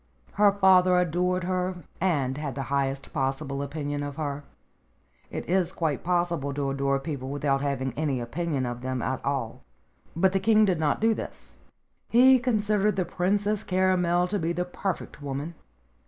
Her father adored her, and had the highest possible opinion of her. It is quite possible to adore people without having any opinion of them at all. But the king did not do this. He considered the Princess Caramel to be the perfect woman.